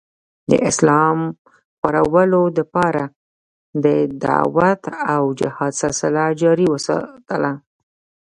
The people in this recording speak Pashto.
د اسلام خورلو دپاره د دعوت او جهاد سلسله جاري اوساتله